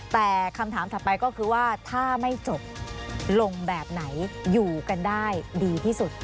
แต่คำถามถัดไปก็คือว่าถ้าไม่จบลงแบบไหนอยู่กันได้ดีที่สุด